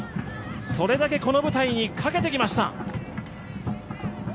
それだけこの舞台に賭けてきました。